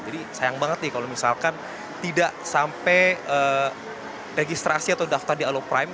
jadi sayang banget nih kalau misalkan tidak sampai registrasi atau daftar di aloprime